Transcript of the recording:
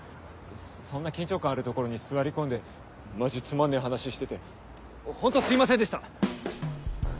そんな緊張感ある所に座り込んでマジつまんねぇ話しててホントすいませんでした！